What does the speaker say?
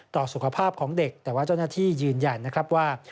ต่อสุขภาพของเด็กแต่ว่าเจ้าหน้าที่ยืนยันนะครับว่า